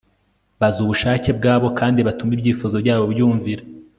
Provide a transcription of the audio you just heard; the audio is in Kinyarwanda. Baza ubushake bwabo kandi batume ibyifuzo byabo byumvira